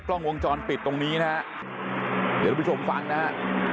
กล้องวงจรปิดตรงนี้นะฮะเดี๋ยวทุกผู้ชมฟังนะฮะ